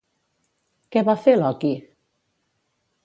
Què va fer Loki?